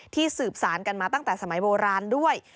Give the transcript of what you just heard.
สืบสารกันมาตั้งแต่สมัยโบราณด้วย